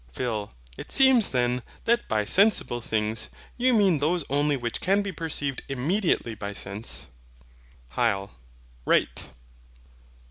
PHIL. It seems then, that by SENSIBLE THINGS you mean those only which can be perceived IMMEDIATELY by sense? HYL. Right.